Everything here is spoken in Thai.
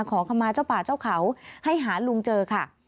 ขอคำมาเจ้าป่าเจ้าเขาให้หาลุงเจอค่ะ